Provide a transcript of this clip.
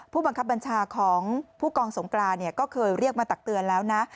ผู้บังคับบัญชาของผู้กองสงกรานก็เคยเรียกมาตักเตือนแล้วนะ